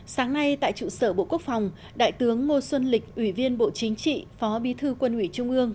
sáng nay tại trụ sở bộ quốc phòng đại tướng ngô xuân lịch ủy viên bộ chính trị phó bí thư quân ủy trung ương